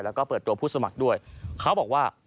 แล้วก็เปิดตัวผู้สมัครด้วยเขาบอกว่า